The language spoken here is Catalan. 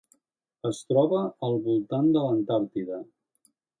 Es troba al voltant de l'Antàrtida.